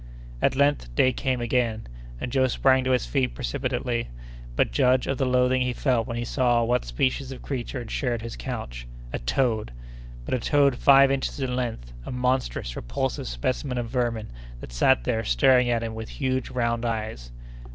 At length, day came again, and Joe sprang to his feet precipitately; but judge of the loathing he felt when he saw what species of creature had shared his couch—a toad!—but a toad five inches in length, a monstrous, repulsive specimen of vermin that sat there staring at him with huge round eyes.